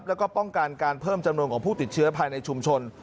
แล้วก็ป้องกันการเพิ่มจำนวนของผู้ติดเชื้อภายในชุมชน